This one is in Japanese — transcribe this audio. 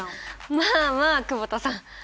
まあまあ久保田さん。